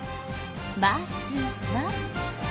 まずは。